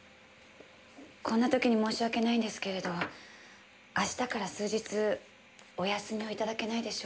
こんな時に申し訳ないんですけれど明日から数日お休みを頂けないでしょうか。